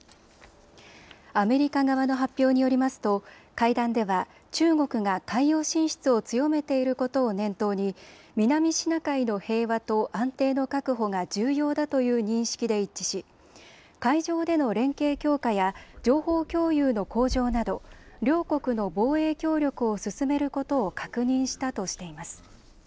アメリカ側の発表によりますと会談では中国が海洋進出を強めていることを念頭に南シナ海の平和と安定の確保が重要だという認識で一致し海上での連携強化や情報共有の向上など両国の防衛協力を進めることを確認したとしています。